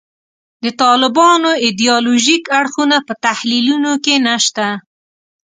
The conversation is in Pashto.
د طالبانو ایدیالوژیک اړخونه په تحلیلونو کې نشته.